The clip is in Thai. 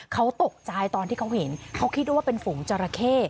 เขาตกใจตอนที่เขาเห็นเขาคิดด้วยว่าเป็นฝูงจราเข้